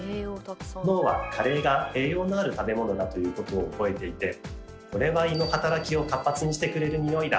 脳はカレーが栄養のある食べ物だということを覚えていて「これは胃の働きを活発にしてくれる匂いだ！」